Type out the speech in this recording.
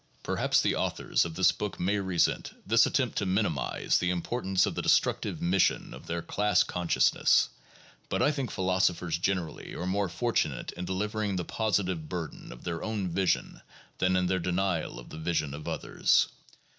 Perhaps the authors of this book may resent this attempt to minimize the importance of the destructive mission of their "class consciousness," but I think philosophers generally are more fortu nate in delivering the positive burden of their own vision than in their denial of the vision of others.